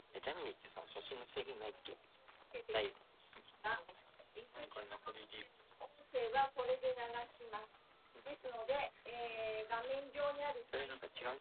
This offered considerable saving in disk space.